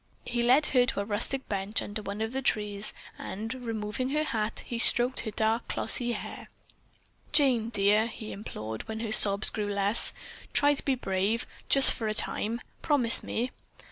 He led her to a rustic bench under one of the trees, and removing her hat, he stroked her dark, glossy hair. "Jane, dear," he implored, when her sobs grew less, "try to be brave, just for a time. Promise me!"